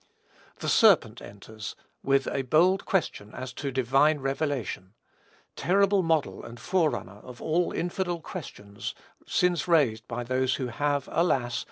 The serpent enters, with a bold question as to divine revelation, terrible model and forerunner of all infidel questions since raised by those who have, alas!